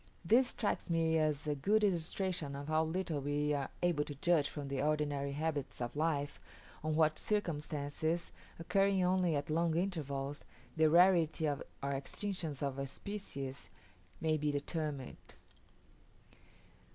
This strikes me as a good illustration of how little we are able to judge from the ordinary habits of life, on what circumstances, occurring only at long intervals, the rarity or extinction of a species may be determined.